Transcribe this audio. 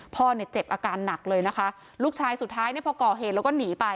พ่อเนี่ยเจ็บอาการหนักเลยนะคะลูกชายสุดท้ายเนี่ยพอก่อเหตุแล้วก็หนีไป